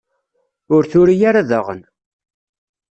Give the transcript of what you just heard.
Ur turi ara daɣen.